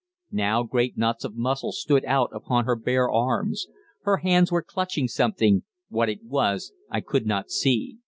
Now great knots of muscle stood out upon her bare arms. Her hands were clutching something what it was I could not see.